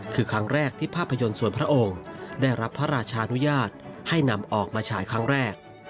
คือครั้งแรกที่ภาพยนตร์ส่วนพระองค์ได้รับพระราชานุญาตให้นำออกมาฉายครั้งแรก